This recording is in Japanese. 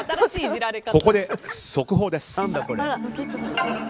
ここで速報です。